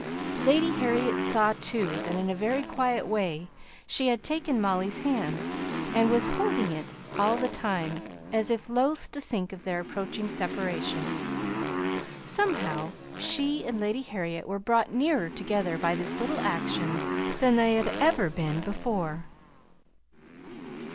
Lady Harriet saw, too, that in a very quiet way, she had taken Molly's hand, and was holding it all the time, as if loth to think of their approaching separation somehow, she and Lady Harriet were brought nearer together by this little action than they had ever been before.